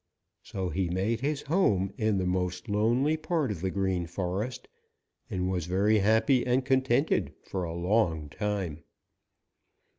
So he made his home in the most lonely part of the Green Forest and was very happy and contented for a long time.